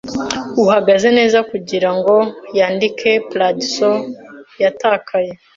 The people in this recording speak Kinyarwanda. uhagaze neza kugirango yandike Paradise Yatakaye